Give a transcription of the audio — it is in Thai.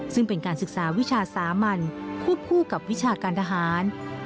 ซึ่งเป็นการศึกษาวิชาสามัญควบคู่กับวิชาการทหาร